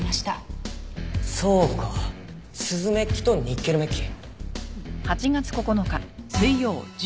そうかスズメッキとニッケルメッキ。